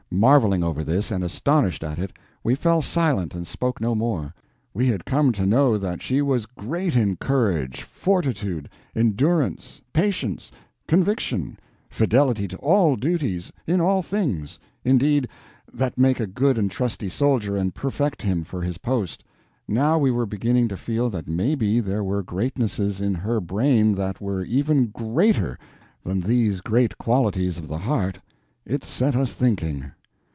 Marveling over this, and astonished at it, we fell silent and spoke no more. We had come to know that she was great in courage, fortitude, endurance, patience, conviction, fidelity to all duties—in all things, indeed, that make a good and trusty soldier and perfect him for his post; now we were beginning to feel that maybe there were greatnesses in her brain that were even greater than these great qualities of the heart. It set us thinking.